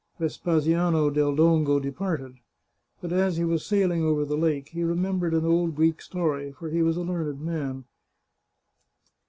Vespasiano del Dongo departed. But as he was sailing over the lake he remembered an old Greek story, for he was a learned man.